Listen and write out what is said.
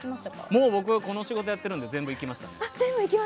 もう僕はこの仕事をやってるので全部行きました。